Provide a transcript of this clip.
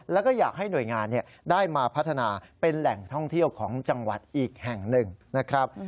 แล้วก็อยากให้หน่วยงานได้มาพัฒนาเป็นแหล่งท่องเที่ยวของจังหวัดอีกแห่งหนึ่งนะครับ